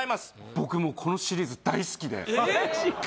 僕もうこのシリーズ大好きでマジか！